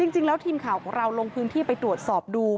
จริงแล้วทีมข่าวของเราลงพื้นที่ไปตรวจสอบดู